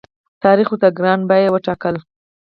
تاریخ ورته ګرانه بیه وټاکله.